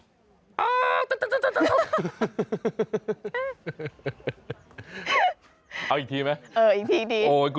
เอาอีกทีไหมคุณก็มาห้ามอีกทีมั้ยเดี๋ยว